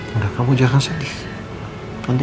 kalau begitu saya tinggal dulu ya pak bu